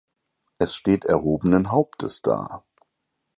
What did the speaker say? Es steht erhobenen Hauptes da.